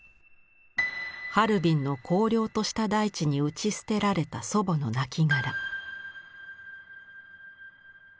ハルビンの荒涼とした大地に打ち捨てられた祖母のなきがら。